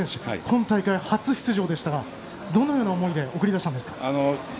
今大会初出場でしたがどのような思いで送り出したんですか？